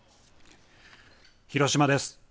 広島です。